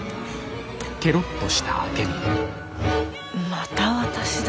また私だけ。